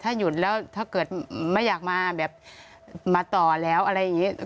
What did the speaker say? ถ้าหยุดแล้วถ้าเกิดไม่อยากมาแบบมาต่อแล้วอะไรอย่างนี้